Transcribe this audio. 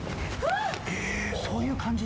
えぇそういう感じ？